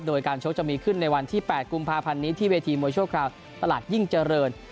โดยการชกจะมีขึ้นในวันที่๘กุมภาพันธ์นี้ที่เวทีมวยชั่วคราวตลาดยิ่งเจริญ